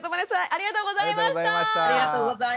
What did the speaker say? ありがとうございます。